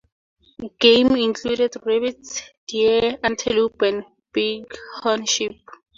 Game included rabbits, deer, antelope, and bighorn sheep.